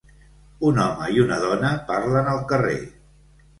Un home i una dona parlen al carrer.